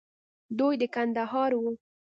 دوى د کندهار وو.